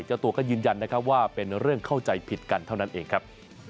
เจ้าตัวก็ยืนยันนะครับว่าเป็นเรื่องเข้าใจผิดกันเท่านั้นเองครับ